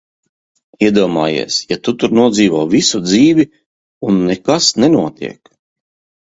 Iedomājies, ja tu tur nodzīvo visu dzīvi, un nekas nenotiek!